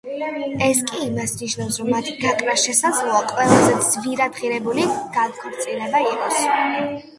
ეს კი იმას ნიშნავს, რომ მათი გაყრა შესაძლოა ყველაზე ძვირადღირებული განქორწინება იყოს.